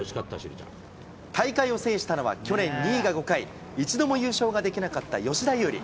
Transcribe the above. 大会を制したのは去年２位が５回、一度も優勝ができなかった吉田優利。